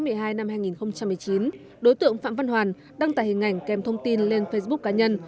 trước đó vào ngày bốn tháng một mươi hai năm hai nghìn một mươi chín đối tượng phạm văn hoàn đăng tải hình ảnh kèm thông tin lên facebook cá nhân